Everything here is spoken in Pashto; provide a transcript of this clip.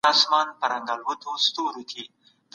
که قانون پلي نه سي نو په ټولنه کي عدالت نه سي راتلی.